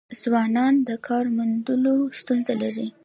ځوانان د کار موندلو ستونزه لري.